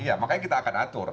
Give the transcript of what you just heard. ya makanya kita akan atur